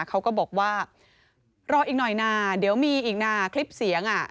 เขาก็บอกว่ารออีกหน่อยนะเดี๋ยวมีอีกนะคลิปเสียง